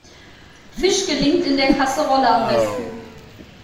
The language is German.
Fisch gelingt in der Kaserolle am besten.